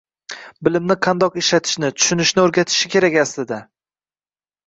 Bilimni qandoq ishlatishni, tushunishni o‘rgatishi kerak aslida.